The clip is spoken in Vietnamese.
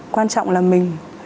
quan trọng là mình